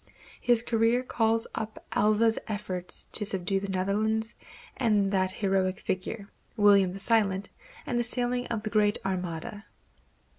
His career calls up Alva's efforts to subdue the Netherlands, and that heroic figure, William the Silent; and the sailing of the Great Armada.